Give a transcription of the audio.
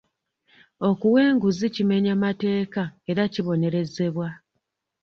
Okuwa enguzi kimenya mateeka era kibonerezebwa.